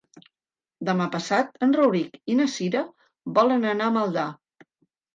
Demà passat en Rauric i na Cira volen anar a Maldà.